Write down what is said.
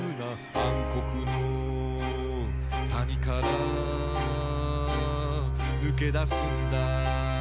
「暗黒の谷から脱けだすんだ」